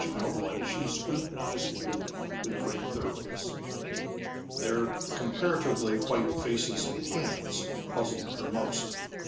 Childlike, she scrutinized the group with great thoroughness. Their comparatively white faces and hands puzzled her most.